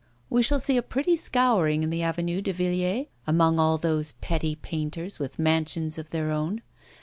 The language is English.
We shall see a pretty scouring in the Avenue de Villiers among all those petty painters with mansions of their own.